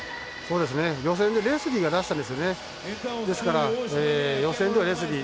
予選でレスリーが出したんですよね。